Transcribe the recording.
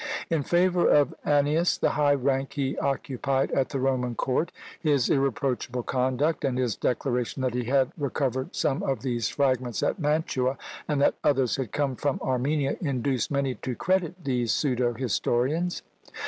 In favour of Annius, the high rank he occupied at the Roman Court, his irreproachable conduct, and his declaration that he had recovered some of these fragments at Mantua, and that others had come from Armenia, induced many to credit these pseudo historians.